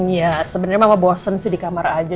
iya sebenarnya mama bosen sih di kamar aja